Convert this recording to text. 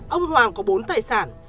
ông hoàng có bốn tài sản